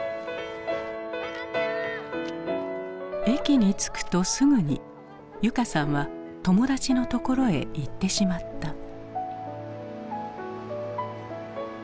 駅に着くとすぐに由佳さんは友達のところへ行ってしまった。